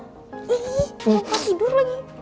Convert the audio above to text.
kepetulah tidur lagi